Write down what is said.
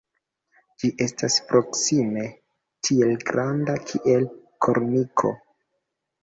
Ĝi estas proksime tiel granda kiel korniko.